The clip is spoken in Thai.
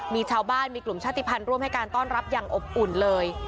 มีชาวบ้านมีกลุ่มชาติภัณฑ์ร่วมให้การต้อนรับอย่างอบอุ่นเลย